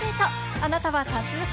あなたは多数派？